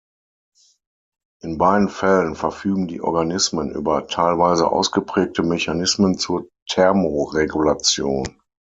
In beiden Fällen verfügen die Organismen über teilweise ausgeprägte Mechanismen zur Thermoregulation.